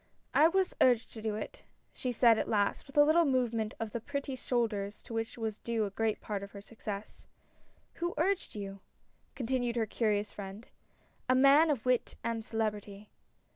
" I was urged to do it," she said at last, with a little movement of the pretty shoulders to which was due a great part of her success. " Who urged you ?" continued her curious friend. " A man of wit and celebrity."